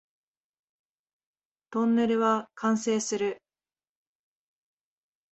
トンネルは完成する